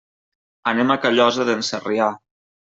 Anem a Callosa d'en Sarrià.